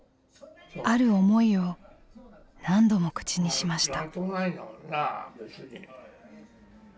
ある思いを何度も口にしました。